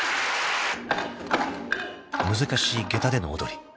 ［難しいげたでの踊り］